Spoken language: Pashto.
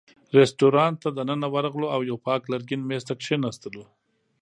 رېستورانت ته دننه ورغلو او یوه پاک لرګین مېز ته کېناستو.